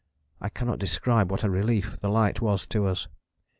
I cannot describe what a relief the light was to us.